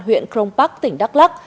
huyện crong park tỉnh đắk lắc